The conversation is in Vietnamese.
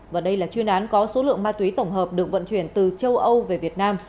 và đây là chuyên án có số lượng ma túy tổng hợp được vận chuyển từ châu âu về việt nam